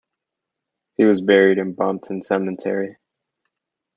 He was buried in Brompton Cemetery.